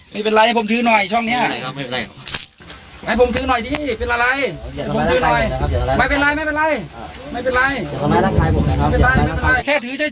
ไม่เป็นไรให้ผมทื้อหน่อยช่องเนี้ยไม่เป็นไรครับไม่เป็นไรครับ